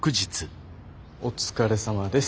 お疲れさまです。